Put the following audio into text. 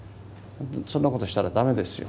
そんなことをしたら駄目ですよ。